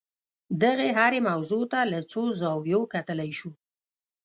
دغې هرې موضوع ته له څو زاویو کتلای شو.